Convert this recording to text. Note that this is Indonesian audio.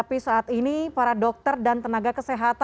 puji tuhan sehat